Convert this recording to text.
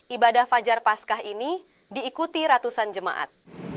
ibadah fajar paskah ini diikuti ratusan jemaat